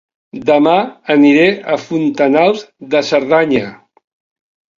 Dema aniré a Fontanals de Cerdanya